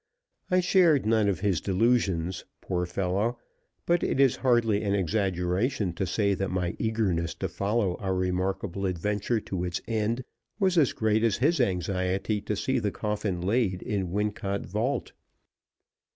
I shared none of his delusions, poor fellow; but it is hardly an exaggeration to say that my eagerness to follow our remarkable adventure to its end was as great as his anxiety to see the coffin laid in Wincot vault.